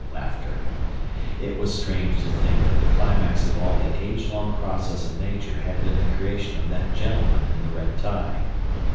It was strange to think that the climax of all the age long process of Nature had been the creation of that gentleman in the red tie.